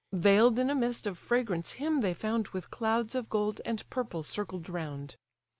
Veil'd in a mist of fragrance him they found, With clouds of gold and purple circled round.